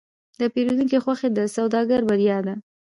د پیرودونکي خوښي د سوداګر بریا ده.